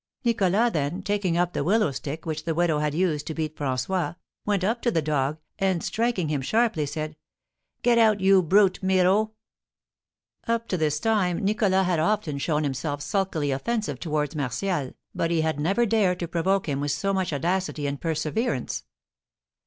Nicholas, then, taking up the willow stick which the widow had used to beat François, went up to the dog, and, striking him sharply, said, "Get out, you brute, Miraut!" Up to this time Nicholas had often shown himself sulkily offensive towards Martial, but he had never dared to provoke him with so much audacity and perseverance.